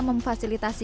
memfasilitasi kondisi air